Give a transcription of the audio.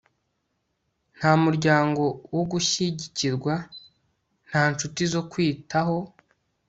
nta muryango wo gushyigikirwa, nta nshuti zo kwitaho